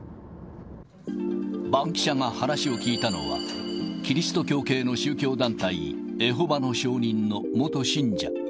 バンキシャが話を聞いたのは、キリスト教系の宗教団体、エホバの証人の元信者。